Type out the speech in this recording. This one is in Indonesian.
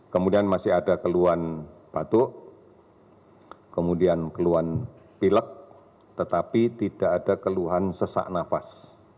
kemudian masih ada keluhan batuk kemudian keluhan pilek tetapi tidak ada keluhan sesak nafas